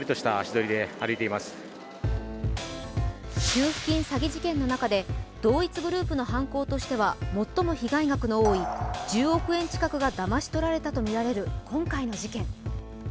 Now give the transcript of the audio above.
給付金詐欺事件の中で同一グループの犯行としては最も被害額の多い１０億円近くをだまし取ったとみられる今回の事件。